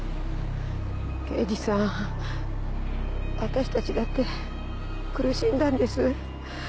刑事さん私たちだって苦しんだんです。